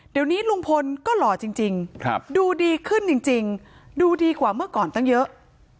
เดี๋ยวนี้ลุงพลก็หล่อจริงดูดีขึ้นจริงดูดีกว่าเมื่อก่อนตั้งเยอะ